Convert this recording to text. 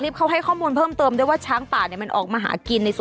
เพราะว่าบางทีมันหิวไง